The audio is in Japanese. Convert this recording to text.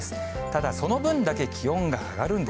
ただ、その分だけ気温が上がるん